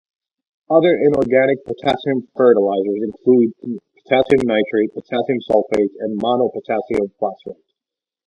Other inorganic potassium fertilizers include potassium nitrate, potassium sulfate, and monopotassium phosphate.